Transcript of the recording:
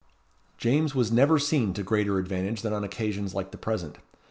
James was never seen to greater advantage than on occasions like the present.